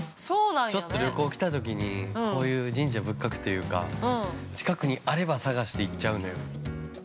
ちょっと旅行きたときにこういう神社仏閣というか近くにあれば探して行っちゃうのよ。